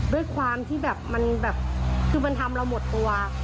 ด้วยความที่มันทำเราหมดตัว